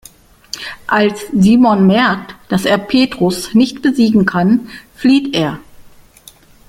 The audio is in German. Als Simon merkt, dass er Petrus nicht besiegen kann, flieht er.